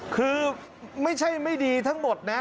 คือไม่ใช่ไม่ดีทั้งหมดนะ